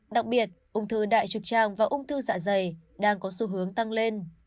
đặc biệt ung thư đại trực tràng và ung thư dạ dày đang có xu hướng tăng lên